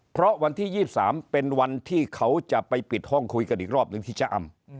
เพราะวันที่๒๓เป็นวันที่เขาจะไปปิดห้องคุยกันอีกรอบหนึ่งที่ชะอำ